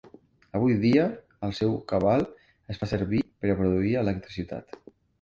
Avui dia, el seu cabal es fa servir per a produir electricitat.